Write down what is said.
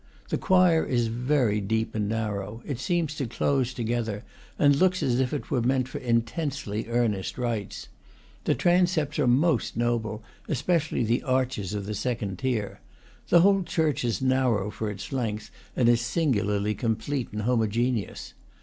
The choir is very deep and narrow; it seems to close together, and looks as if it were meant for intensely earnest rites. The transepts are most noble, especially the arches of the second tier. The whole church is narrow for its length, and is singularly complete and homogeneous.